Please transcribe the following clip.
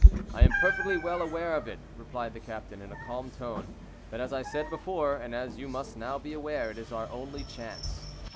"I am perfectly well aware of it," replied the captain, in a calm tone; "but, as I said before, and as you must now be aware, it is our only chance.